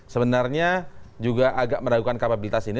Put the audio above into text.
sebenarnya juga agak meragukan kapabilitas ini